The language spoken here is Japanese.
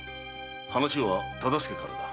話は忠相からだ。